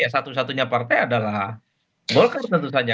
satu satunya partai adalah golkar tentu saja